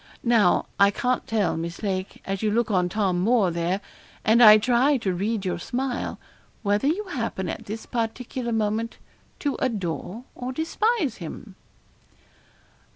Now, I can't tell, Miss Lake, as you look on Tom Moore there, and I try to read your smile, whether you happen at this particular moment to adore or despise him.'